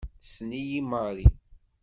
Tessen-iyi Mari.